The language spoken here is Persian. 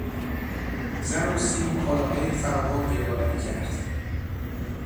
زر و سیم و کالاهای فراوان گردآوری کرد.